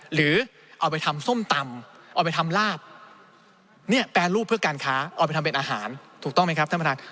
หรือเอาไปทำส้มตำเอาไปทำลาบเนี่ยแปรรูปเพื่อการค้าเอาไปทำเป็นอาหารถูกต้องไหมครับท่านประธาน